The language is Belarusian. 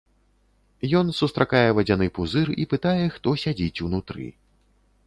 Ён сустракае вадзяны пузыр і пытае, хто сядзіць унутры.